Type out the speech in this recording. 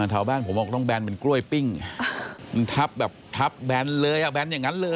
ทาวแบ้งผมออกต้องแบนเป็นกล้วยปิ้งมันทับแบบทับแบนเลยอ่ะ